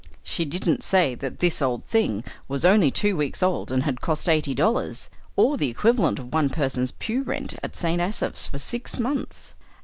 She didn't say that this old thing was only two weeks old and had cost eighty dollars, or the equivalent of one person's pew rent at St. Asaph's for six months.